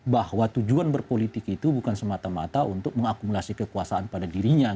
bahwa tujuan berpolitik itu bukan semata mata untuk mengakumulasi kekuasaan pada dirinya